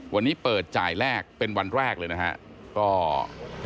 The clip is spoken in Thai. วันนี้เปิดจ่ายแรกเป็นวันแรกเลยนะครับ